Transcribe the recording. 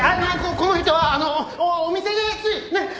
この人はあのお店でついねっ。